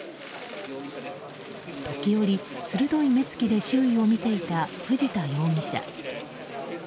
時折、鋭い目つきで周囲を見ていた藤田容疑者。